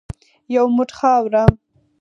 یو موټ خاوره .